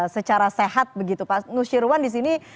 secara sehat begitu pak nusyirwan disini